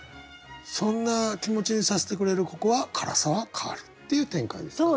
そんな気持ちにさせてくれるここは涸沢カールっていう展開ですか。